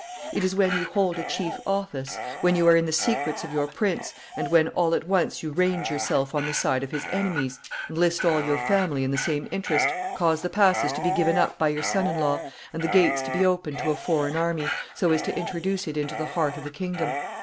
It is when you hold a chief office, when you are in the secrets of your prince, and when, all at once, you range yourself on the side of his enemies, enlist all your family in the same interest, cause the passes to be given up by your son in law, and the gates to be opened to a foreign army, so as to introduce it into the heart of the kingdom.